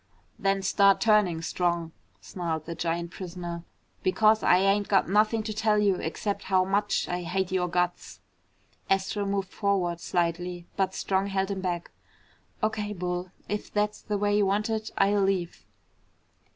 "Then start turning, Strong," snarled the giant prisoner, "because I ain't got nothing to tell you except how much I hate your guts!" Astro moved forward slightly, but Strong held him back. "O.K., Bull. If that's the way you want it, I'll leave."